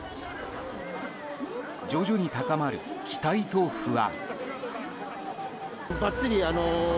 徐々に高まる期待と不安。